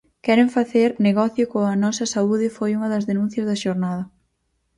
Queren facer negocio coa nosa saúde foi unha das denuncias da xornada.